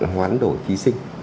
hoán đổi thí sinh